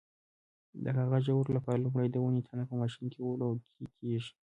د کاغذ جوړولو لپاره لومړی د ونې تنه په ماشین کې وړوکی کېږي.